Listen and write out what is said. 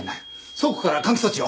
倉庫から換気装置を！